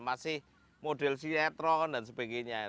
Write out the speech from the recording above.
masih model sinetron dan sebagainya